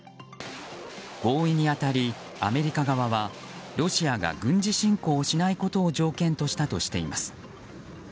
合意に当たり、アメリカ側はロシアが軍事侵攻をしないことを条件としたとしています。